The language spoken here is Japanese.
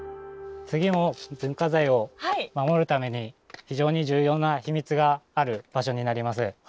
次も文化財を守るために非常に重要な秘密がある場所になります。